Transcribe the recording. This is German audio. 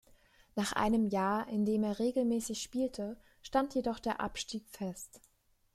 Nach einem Jahr, in dem er regelmäßig spielte, stand jedoch der Abstieg fest.